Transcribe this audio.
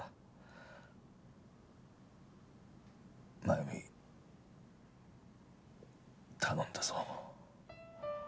真由美頼んだぞ。